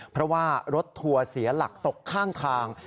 เพราะว่ารถทัวร์เสียหลักตกข้างทาง